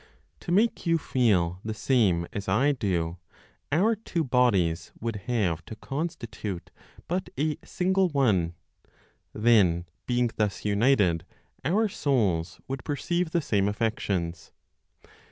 To make you feel the same as I do, our two bodies would have to constitute but a single one; then, being thus united, our souls would perceive the same affections.